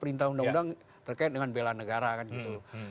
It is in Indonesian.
perintah undang undang terkait dengan bela negara kan gitu